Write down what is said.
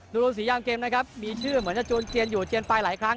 รวมสียางเกมนะครับมีชื่อเหมือนจะจวนเจียนอยู่เจียนไปหลายครั้ง